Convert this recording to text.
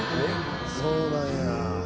そうなんや。